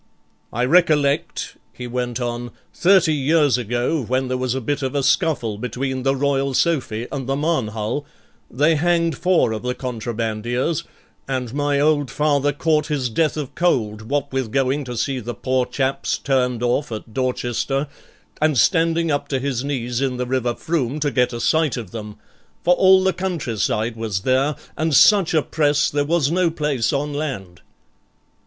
I recollect', he went on, 'thirty years ago, when there was a bit of a scuffle between the Royal Sophy and the Marnhull, they hanged four of the contrabandiers, and my old father caught his death of cold what with going to see the poor chaps turned off at Dorchester, and standing up to his knees in the river Frome to get a sight of them, for all the countryside was there, and such a press there was no place on land.